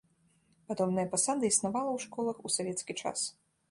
Падобная пасада існавала ў школах у савецкі час.